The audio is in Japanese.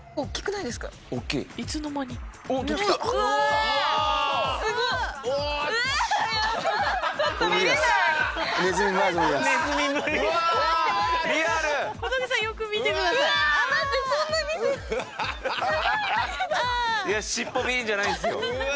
いや尻尾ビーンじゃないんですよ。